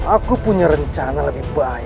aku punya rencana lebih baik